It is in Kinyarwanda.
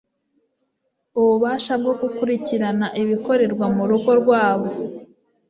ububasha bwo gukurikirana ibikorerwa mu rugo rwabo